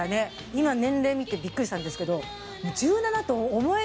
今年齢見てビックリしたんですけど。